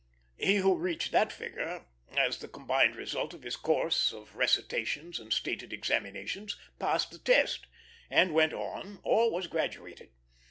He who reached that figure, as the combined result of his course of recitations and stated examinations, passed the test, and went on, or was graduated.